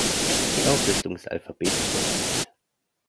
Die Auflistung ist alphabetisch sortiert.